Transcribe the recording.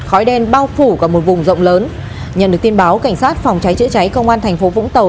khói đen bao phủ cả một vùng rộng lớn nhận được tin báo cảnh sát phòng cháy chữa cháy công an thành phố vũng tàu